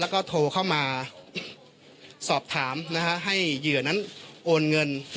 แล้วก็โทรเข้ามาสอบถามให้เหยื่อนั้นโอนเงิน